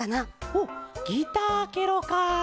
ほうギターケロか。